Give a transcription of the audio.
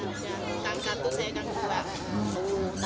tapi sudah dijinin sama buddhanya